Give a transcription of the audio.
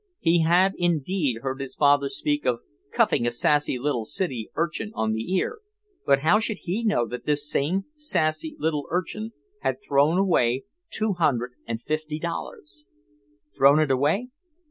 He had indeed heard his father speak of "cuffing a sassy little city urchin on the ear," but how should he know that this same sassy little urchin had thrown away two hundred and fifty dollars? Thrown it away?